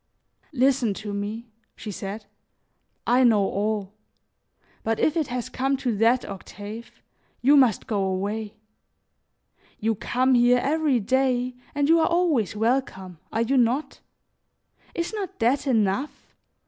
"Listen to me," she said; "I know all; but if it has come to that, Octave, you must go away. You come here every day and you are always welcome, are you not? Is not that enough?